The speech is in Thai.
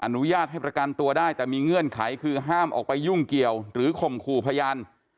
อนุญาตให้ประกันตัวได้แต่มีเงื่อนไขคือห้ามออกไปยุ่งเกี่ยวหรือข่มขู่พยาน